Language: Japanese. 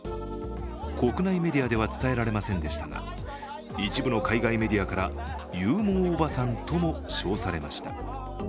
国内メディアでは伝えられませんでしたが、一部の海外メディアから勇猛おばさんとも称されました。